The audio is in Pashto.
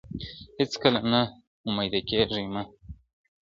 هيڅکله نا اميده کيږئ مه.